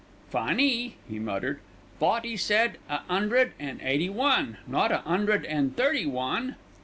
"Funny," he muttered, "thought he said a 'undred an' eighty one, not a 'undred an' thirty one."